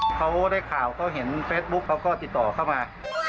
เขาได้ข่าวเขาเห็นเฟซบุ๊คเขาก็ติดต่อเข้ามา